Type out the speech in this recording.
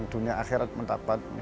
di dunia akhirat mendapat